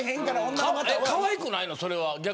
かわいくないの、それは。